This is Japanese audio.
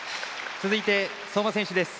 続いて相馬選手です。